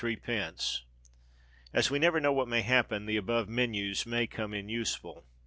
As we never know what may happen, the above menus may come in useful.